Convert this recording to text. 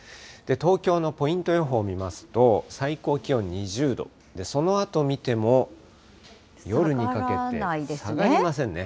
東京のポイント予報を見ますと、最高気温２０度、そのあと見ても、夜にかけて下がりませんね。